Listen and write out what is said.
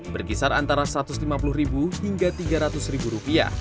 berkisar antara rp satu ratus lima puluh hingga rp tiga ratus